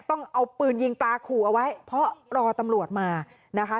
ต้องเอาปืนยิงปลาขู่เอาไว้เพราะรอตำรวจมานะคะ